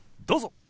どうぞ。